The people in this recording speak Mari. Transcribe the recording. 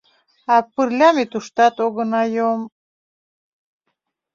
А пырля ме туштат огына йом...